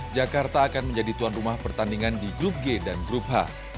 jakarta akan menjadi tuan rumah pertandingan di grup g dan grup h